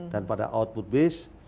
dan pada output base